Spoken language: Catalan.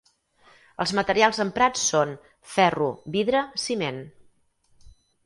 Els materials emprats són: ferro, vidre, ciment.